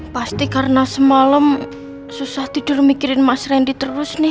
pasti karena semalam susah tidur mikirin mas randy terus nih